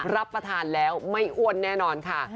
รับประทานแล้วไม่อ้วนแน่นอนค่ะ